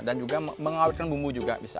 dan juga mengawetkan bumbu juga bisa